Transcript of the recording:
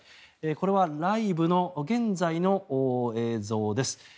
これはライブの現在の映像です。